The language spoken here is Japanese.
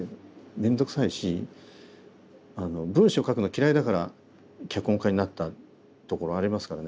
面倒くさいし文章書くの嫌いだから脚本家になったところありますからね。